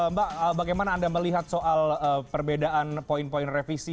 mbak bagaimana anda melihat soal perbedaan poin poin revisi